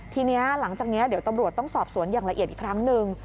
ทีนี้หลังจากนี้เดี๋ยวตำรวจต้องสอบสวนอย่างละเอียดอีกครั้งหนึ่ง